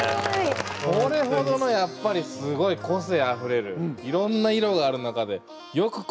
これほどのやっぱりすごい個性あふれるいろんな色がある中でよくここまでまとめましたよ。